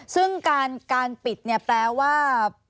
ซึ่งการปิดแปลว่า